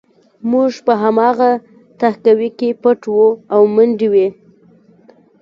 موږ په هماغه تهکوي کې پټ وو او منډې وې